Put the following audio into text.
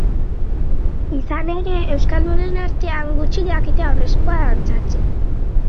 Izan ere, euskaldunen artean, gutxik dakite aurreskua dantzatzen.